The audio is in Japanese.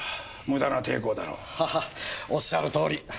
無駄な抵抗だろう。ははっおっしゃる通り。